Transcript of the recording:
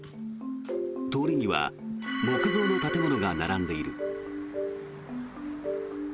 通りには木造の建物が並んでいる。